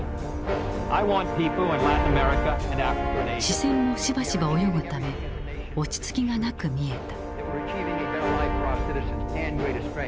視線もしばしば泳ぐため落ち着きがなく見えた。